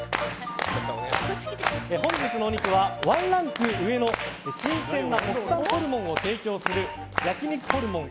本日のお肉はワンランク上の新鮮な国産ホルモンを提供する焼肉ホルモン